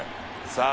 「さあ」